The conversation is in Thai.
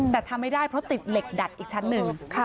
แต่ทำไม่ได้เพราะติดเหล็กดัดอีกชั้นหนึ่ง